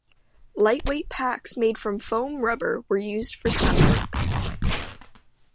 Lightweight packs made of foam rubber were used for stunt work.